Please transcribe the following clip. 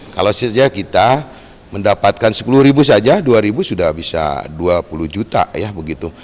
kalau kita mendapatkan sepuluh ribu saja dua ribu sudah bisa dua puluh juta ya begitu